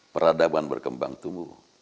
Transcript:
peradaban berkembang tumbuh